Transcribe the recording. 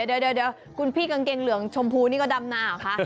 เดี๋ยวคุณพี่กางเกงเหลืองชมพูนี่ก็ดำนาเหรอคะ